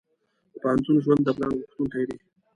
د پوهنتون ژوند د پلان غوښتونکی دی.